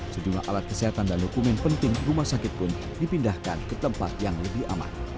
sejumlah alat kesehatan dan dokumen penting rumah sakit pun dipindahkan ke tempat yang lebih aman